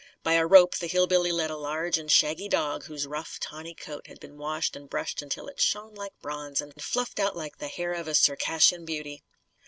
By a rope, the hill billy led a large and shaggy dog whose rough, tawny coat had been washed and brushed until it shone like bronze and fluffed out like the hair of a Circassian beauty.